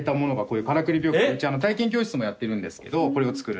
うち体験教室もやってるんですけどこれを作る。